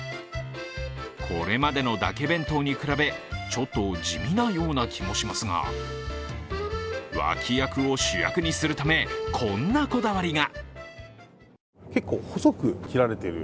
これまでのだけ弁当に比べ、ちょっと地味なような気もしますが、脇役を主役にするためこんなこだわりが。